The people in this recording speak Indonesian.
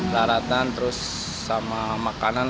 laratan terus sama makanan